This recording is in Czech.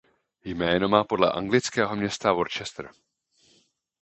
Jméno má podle anglického města Worcester.